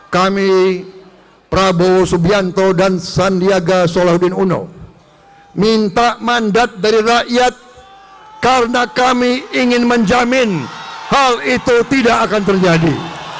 kami prabowo subianto dan sandiaga solahuddin uno minta mandat dari rakyat karena kami ingin menjamin hal itu tidak akan terjadi